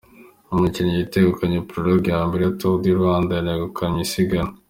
Umukinnyi wegukanye Prologue ya mbere ya Tour du Rwanda yanegukanye isiganwa.